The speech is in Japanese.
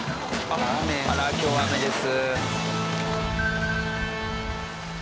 あら今日雨です。